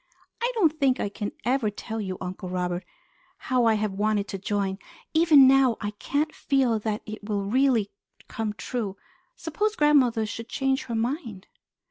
I don't think I can ever tell you, Uncle Robert, how I have wanted to join. Even now I can't feel that it will really come true. Suppose grandmother should change her mind?"